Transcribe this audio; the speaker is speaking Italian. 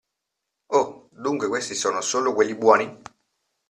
Oh, dunque questi sono solo quelli buoni.